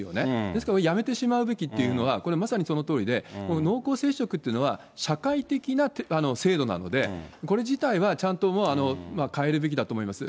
ですからやめてしまうべきというのは、これ、まさにそのとおりで、もう濃厚接触というのは、社会的な制度なので、これ自体はちゃんともう変えるべきだと思います。